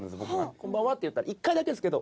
「こんばんは」って言ったら一回だけですけど。